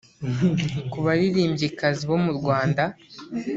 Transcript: Ku baririmbyikazi bo mu Rwanda